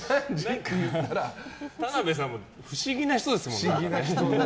田辺さんも不思議な人ですもんね。